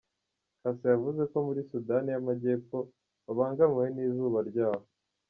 Cassa yavuze ko muri Sudani y’Amajyepfo babangamiwe n’Izuba ryaho.